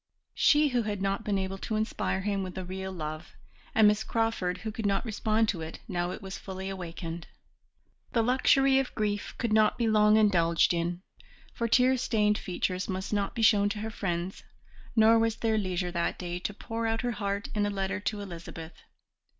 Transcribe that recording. She who had not been able to inspire him with a real love, and Miss Crawford who could not respond to it now it was fully awakened. The luxury of grief could not be long indulged in, for tear stained features must not be shown to her friends, nor was there leisure that day to pour out her heart in a letter to Elizabeth.